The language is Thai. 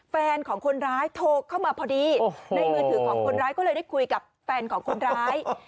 แฟนของคนร้ายโทรเข้ามาพอดีในมือถือของคนร้ายก็เลยได้คุยกับแฟนของคนร้าย